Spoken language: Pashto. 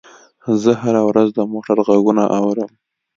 زه هره ورځ د موټر غږونه اورم.